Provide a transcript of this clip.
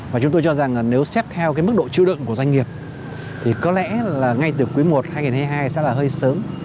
và chúng tôi cho rằng nếu xét theo cái mức độ chưa đựng của doanh nghiệp thì có lẽ là ngay từ quý i hai nghìn hai mươi hai sẽ là hơi sớm